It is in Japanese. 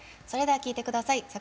それでは聴いてください。